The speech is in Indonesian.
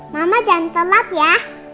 mama jangan telat ya